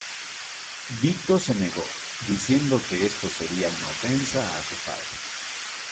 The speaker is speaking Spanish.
Vito se negó, diciendo que esto sería una ofensa a su padre.